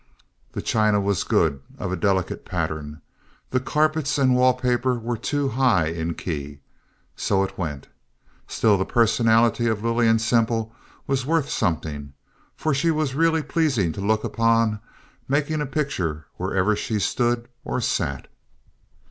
The china was good—of a delicate pattern. The carpets and wall paper were too high in key. So it went. Still, the personality of Lillian Semple was worth something, for she was really pleasing to look upon, making a picture wherever she stood or sat.